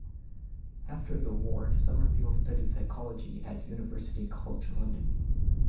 After the war Summerfield studied psychology at University College London.